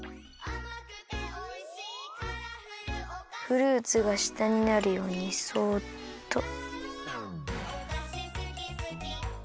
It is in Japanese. フルーツがしたになるようにそっと。